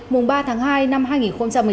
mùng ba tháng hai năm hai nghìn một mươi chín